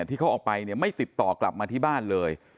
ที่เขาออกไปเนี่ยไม่ติดต่อกลับมาที่บ้านเลย